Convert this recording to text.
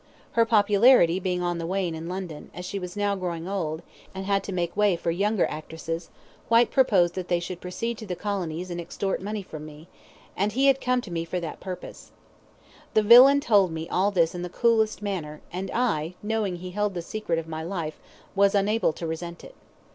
Her popularity being on the wane in London, as she was now growing old, and had to make way for younger actresses, Whyte proposed that they should proceed to the colonies and extort money from me, and he had come to me for that purpose. The villain told me all this in the coolest manner, and I, knowing he held the secret of my life, was unable to resent it.